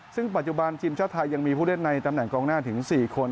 ซึ่งปัจจุบันทีมชาติไทยยังมีผู้เล่นในตำแหนกองหน้าถึง๔คน